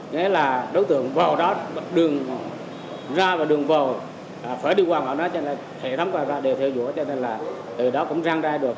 nghĩa là đấu tượng vào đó đường ra và đường vào phải đi qua gọi nó cho nên là hệ thống gọi ra đều theo dũa cho nên là từ đó cũng răng ra được